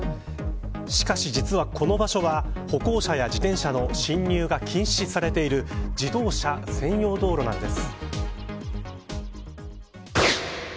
しかし、実はこの場所は歩行者や自転車の侵入が禁止されている自動車専用道路なんです。